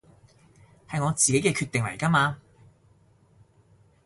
係我自己嘅決定嚟㗎嘛